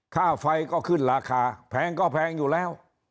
ค่าไฟก็ขึ้นราคาแพงก็แพงอยู่แล้ว